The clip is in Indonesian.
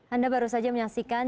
anda baru saja menyaksikan